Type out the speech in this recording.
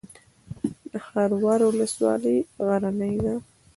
د خروار ولسوالۍ غرنۍ ده